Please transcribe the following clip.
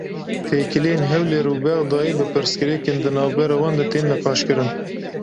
Têkiliyên Hewlêr û Bexdayê û pirsgirêkên di navbera wan de tên nîqaşkirin.